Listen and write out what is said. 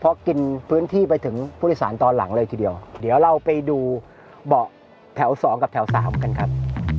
เพราะกินพื้นที่ไปถึงผู้โดยสารตอนหลังเลยทีเดียวเดี๋ยวเราไปดูเบาะแถว๒กับแถวสามกันครับ